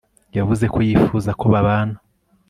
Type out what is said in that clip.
yavuze ko yifuza ko babana